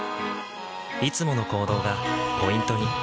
いつもの行動がポイントに。